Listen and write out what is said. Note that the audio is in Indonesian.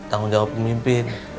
tanggung jawab pemimpin